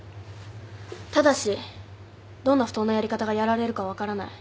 ただしどんな不当なやり方がやられるか分からない。